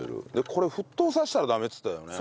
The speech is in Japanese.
これ沸騰させたらダメって言ってたよね？